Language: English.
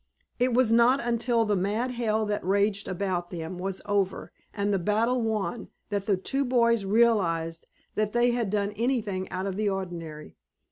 It was not until the mad hell that raged about them was over and the battle won that the two boys realized that they had done anything out of the ordinary.